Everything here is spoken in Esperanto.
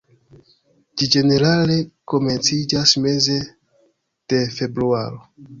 Ĝi ĝenerale komenciĝas meze de februaro.